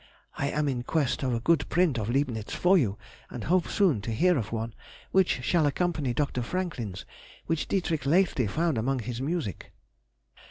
I am in quest of a good print of Leibnitz for you, and hope soon to hear of one, which shall accompany Dr. Franklin's, which Dietrich lately found among his music.